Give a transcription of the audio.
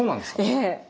ええ。